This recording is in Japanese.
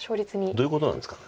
どういうことなんですか？